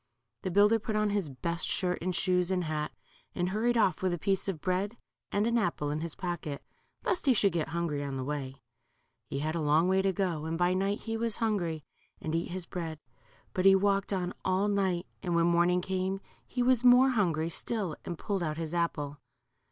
The builder put on his best shirt and shoes and hat, and hurried off with a piece of bread and an apple in his pocket, lest he should get hungry on the way. He had a long way to go, and by night he was hungry and eat his bread. But he walked on all night and when morn ing came he was more hungry still, and pulled out his apple.